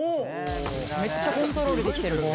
めっちゃコントロールできてる。